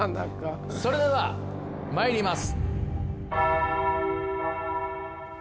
それではまいります